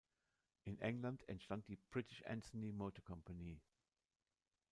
In England entstand die British Anzani Motor Company.